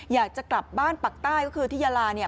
อยากจะกลับบ้านปักใต้ก็คือที่ยาลาเนี่ย